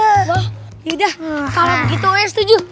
wah yaudah kalau begitu saya setuju